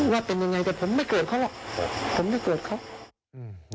ว่าเป็นยังไงแต่ผมไม่เกิดเขาหรอกผมไม่เกิดเขาอืม